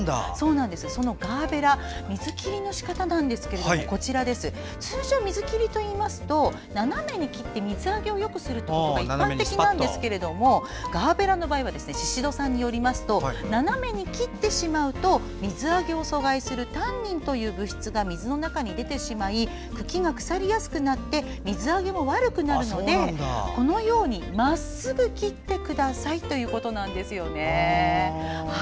そのガーベラ水切りのしかたですが通常、水切りといいますと斜めに切ることが一般的なんですがガーベラの場合は宍戸さんによりますと斜めに切ってしまうと水あげを阻害するタンニンという物質が水の中に出てしまい茎が腐りやすくなって水あげも悪くなるのでこのようにまっすぐに切ってほしいということです。